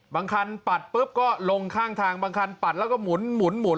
บางคันปัดปุ๊บก็ลงข้างทางบางคันปัดแล้วก็หมุน